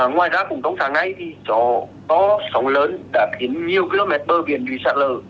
ngoài ra cùng thông sát ngay thì chỗ to sông lớn đã khiến nhiều km bờ biển bị sát lở